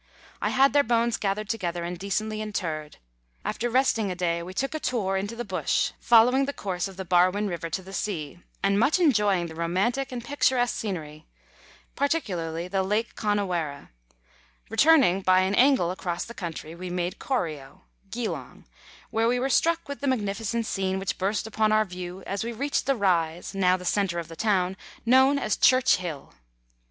I had their bones gathered together and decently interred. After resting a day we took a tour into the bush, following the course of the Barwon River to the sea, and much enjoying the romantic and picturesque scenery, particularly the lake Connewarre ; returning by an angle across the country, we made Corio (Geelong), where we were struck with the magnificent scene which burst upon our view as we reached the rise, now the centre of the town, known as Church Hill.